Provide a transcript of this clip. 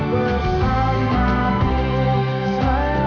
tetap bersama ku sayang